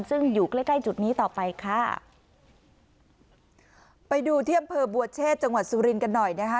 ซึ่งอยู่ใกล้ใกล้จุดนี้ต่อไปค่ะไปดูที่อำเภอบัวเชษจังหวัดสุรินทร์กันหน่อยนะคะ